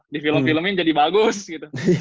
di film film in jadi bagus gitu